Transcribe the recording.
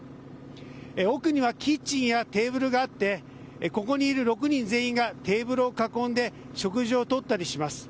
奥にはキッチンやテーブルがあってここにいる６人全員がテーブルを囲んで食事を取ったりします。